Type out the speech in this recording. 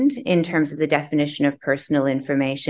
dalam bentuk definisi informasi pribadi